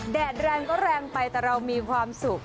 แดดแรงก็แรงไปแต่เรามีความสุข